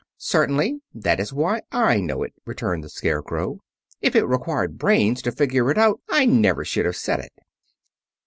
"Certainly; that is why I know it," returned the Scarecrow. "If it required brains to figure it out, I never should have said it."